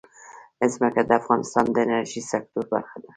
ځمکه د افغانستان د انرژۍ سکتور برخه ده.